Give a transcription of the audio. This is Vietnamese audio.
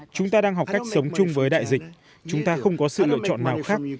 chúng ta đang học cách sống chung với đại dịch chúng ta không có sự lựa chọn nào khác